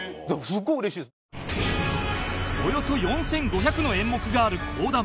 およそ４５００の演目がある講談